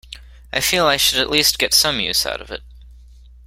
I feel I should at least get some use out of it.